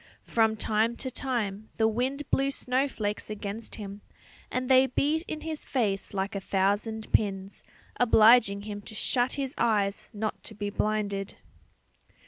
From time to time the wind blew snowflakes against him, and they beat in his face like a thousand pins, obliging him to shut his eyes not to be blinded.